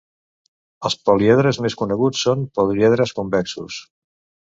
Els políedres més coneguts són políedres convexos.